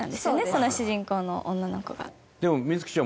その主人公の女の子が。